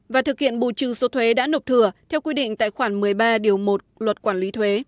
và thực hiện bù trừ số thuế đã nộp thừa theo quy định tại khoản một mươi ba điều một luật quản lý thuế